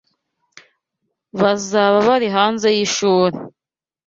bazaba bari hanze y’ishuri